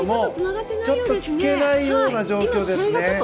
ちょっと聞けないような状況ですね。